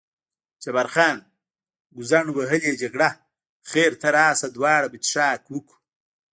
جبار خان: ګوزڼ وهلې جګړه، خیر ته راشه دواړه به څښاک وکړو.